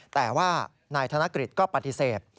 แต่ว่านายธนกฤษก็ปฏิเสธ